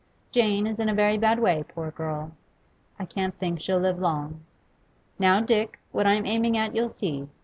Jane is in a very bad way, poor girl; I can't think she'll live long. Now, Dick, what I'm aiming at you'll see.